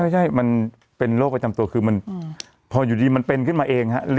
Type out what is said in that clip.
มันเป็นโรคประจำตัวคือมันพออยู่ดีมันเป็นขึ้นมาเองฮะ